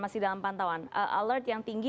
masih dalam pantauan alert yang tinggi